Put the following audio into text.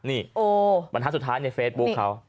นี่บรรทัศน์สุดท้ายในเฟซบุ๊คเขา